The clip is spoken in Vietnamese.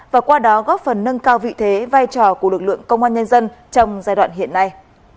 và qua đó góp phần nâng cao vị thế vai trò của lực lượng công an nhân dân trong giai đoạn hiện nay